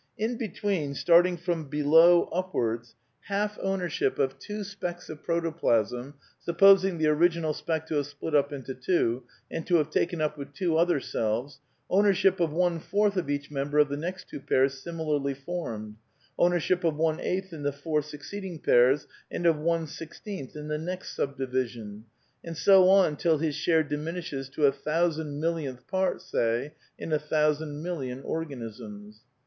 In be tween, starting from below upwards, half ownership of PAN PSYCHISM OF SAMUEL BUTLEK 29 two specks of protoplasm, supposing the original speck to have split up into two, and to have taken up with two other selves; ownership of one fourth of each member of the next two pairs similarly formed ; ownership of one eighth in the four succeeding pairs, and of one sixteenth in the next subdivision; and so on till his share diminishes to a thousand millionth part, say, in a thousand million or ganisms.